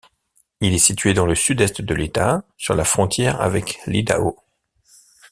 Il est situé dans le sud-est de l'État, sur la frontière avec l'Idaho.